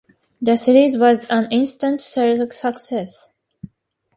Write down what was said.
The series was an instant sales success.